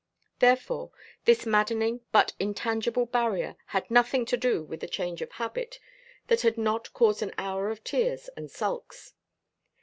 Therefore, this maddening but intangible barrier had nothing to do with a change of habit that had not caused an hour of tears and sulks.